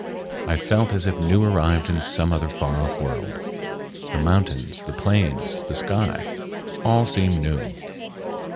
I felt as if new arrived in some other far off world. The mountains, the plains, the sky, all seemed new.